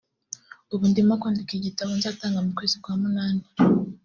ubu ndimo kwandika igitabo nzatanga mu kwezi kwa munani”